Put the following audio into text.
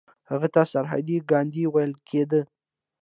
هغه ته سرحدي ګاندي ویل کیده.